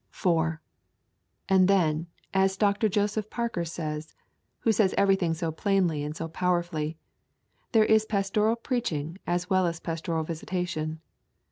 4. And then, as Dr. Joseph Parker says, who says everything so plainly and so powerfully: 'There is pastoral preaching as well as pastoral visitation.